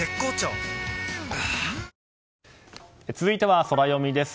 はぁ続いてはソラよみです。